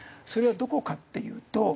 それはどこかっていうと。